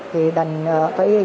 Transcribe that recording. thì đành phải chấp nhận thôi mùa dịch